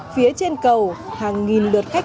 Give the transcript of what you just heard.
phía trên cầu hàng nghìn lượt khách